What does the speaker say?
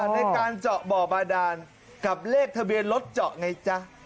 ในการเจาะบ่อบาดานกับเลขทะเบียนรถเจาะไงจ๊ะ